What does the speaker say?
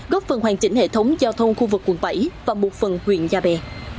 góp phần hoàn chỉnh hệ thống giao thông khu vực quận bảy và một phần huyện gia bè